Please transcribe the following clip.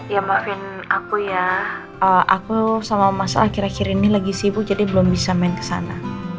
ya maafin aku ya aku sama masalah kira kira ini lagi sibuk jadi belum bisa main kesana